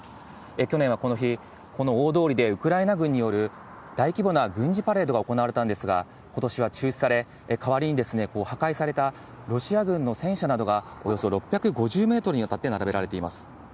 去年はこの日、この大通りでウクライナ軍による大規模な軍事パレードが行われたんですが、ことしは中止され、代わりに破壊されたロシア軍の戦車などがおよそ６５０メートルにわたって並べられています。